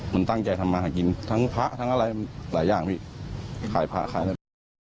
มันตั้งใจทำมากินทั้งผักทั้งอะไรหลายอย่างคลายผักคลายได้